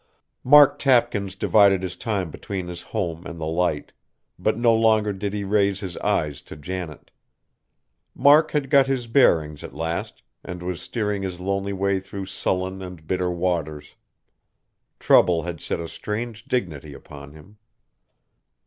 Mark Tapkins divided his time between his home and the Light, but no longer did he raise his eyes to Janet. Mark had got his bearings at last, and was steering his lonely way through sullen and bitter waters. Trouble had set a strange dignity upon him.